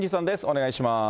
お願いします。